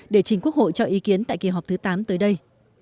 để chính quốc hội cho ý kiến tại kỳ họp thứ tám tới đây